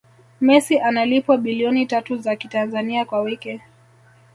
messi analipwa bilioni tatu za kitanzania kwa wiki